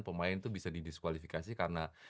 pemain tuh bisa didiskualifikasi karena